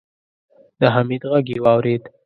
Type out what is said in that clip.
د حميد غږ يې واورېد.